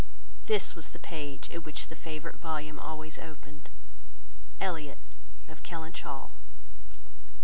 This was the page at which the favourite volume always opened: "ELLIOT OF KELLYNCH HALL.